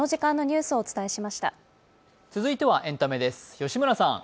続いてはエンタメです。